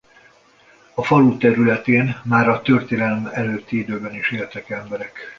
A falu területén már a történelem előtti időkben is éltek emberek.